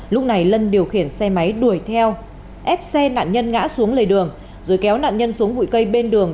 lúc này lân điều khiển xe máy đuổi theo ép xe nạn nhân ngã xuống lề đường rồi kéo nạn nhân xuống bụi cây bên đường